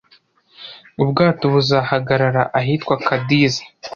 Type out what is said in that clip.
Ubwato buzahagarara ahitwa Cadiz.